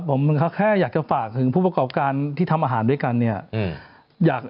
ผมแค่อยากจะฝากถึงผู้ประกอบการที่ทำอาหารด้วยกันเนี่ย